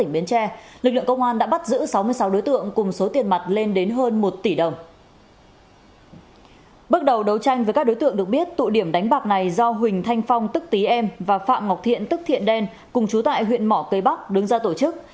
bước đầu đấu tranh với các đối tượng được biết tụ điểm đánh bạc này do huỳnh thanh phong tức tý em và phạm ngọc thiện tức thiện đen cùng trú tại huyện mỏ cây bắc đứng ra tổ chức